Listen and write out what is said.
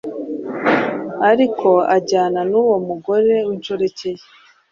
ariko ajyana n’uwo mugore w’inshoreke ye.